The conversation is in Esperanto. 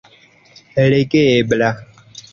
legebla